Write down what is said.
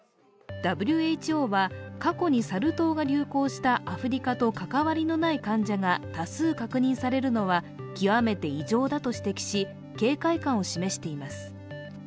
ＷＨＯは過去にサル痘が流行したアフリカと関わりのない患者が多数確認されるのは極めて異常だと指摘し警戒感を示しています。